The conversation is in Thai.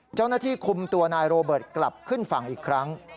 เจ้าหน้าที่คุมตัวนายโรเบิร์ตกลับขึ้นฝั่งอีกครั้ง